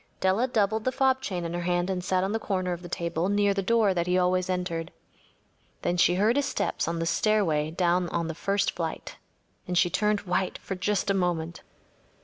Della doubled the fob chain in her hand and sat on the corner of the table near the door that he always entered. Then she heard his step on the stair away down on the first flight, and she turned white for just a moment.